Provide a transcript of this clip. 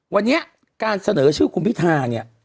วันนี้การเสนอชื่อคุณพิธาเนี่ย